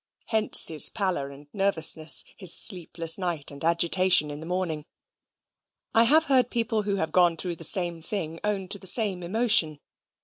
Hence his pallor and nervousness his sleepless night and agitation in the morning. I have heard people who have gone through the same thing own to the same emotion.